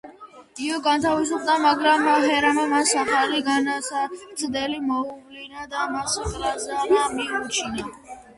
იო განთავისუფლდა, მაგრამ ჰერამ მას ახალი განსაცდელი მოუვლინა და მას კრაზანა მიუჩინა.